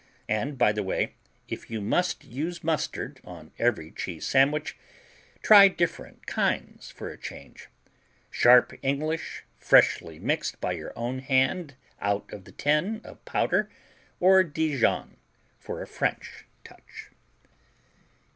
And by the way, if you must use mustard on every cheese sandwich, try different kinds for a change: sharp English freshly mixed by your own hand out of the tin of powder, or Dijon for a French touch.